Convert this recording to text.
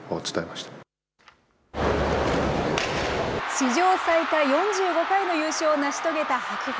史上最多４５回の優勝を成し遂げた白鵬。